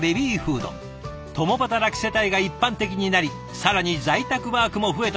共働き世帯が一般的になり更に在宅ワークも増えた